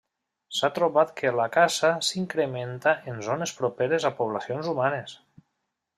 S'ha trobat que la caça s'incrementa en zones properes a poblacions humanes.